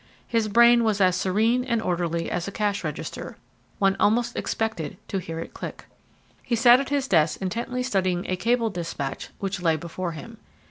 His brain was as serene and orderly as a cash register; one almost expected to hear it click. He sat at his desk intently studying a cable despatch which lay before him.